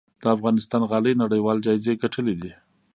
د افغانستان غالۍ نړیوال جایزې ګټلي دي